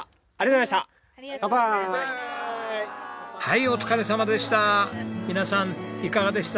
はいお疲れさまでした。